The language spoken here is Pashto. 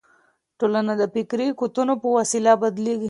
ټولنه د فکري قوتونو په وسیله بدلیږي.